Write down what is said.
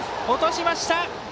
落としました。